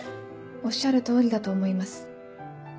おっしゃる通りだと思います。